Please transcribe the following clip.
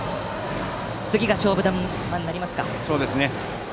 次が勝負球になりますね。